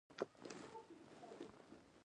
آیا د پښتنو په تاریخ کې لویې جرګې نه دي شوي؟